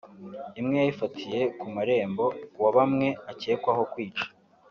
Imwe yayifatiye ku murambo wa bamwe akekwaho kwica